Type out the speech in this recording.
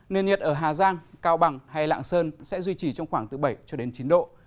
nên nhiệt ở hà giang cao bằng hay lạng sơn sẽ duy trì trong khoảng từ bảy chín độ